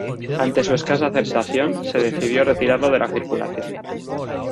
Ante su escasa aceptación, se decidió retirarlo de la circulación.